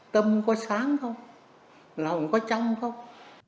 tâm có sáng không lòng có trong không